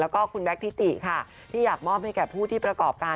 แล้วก็คุณแบคทิติค่ะที่อยากมอบให้แก่ผู้ที่ประกอบการ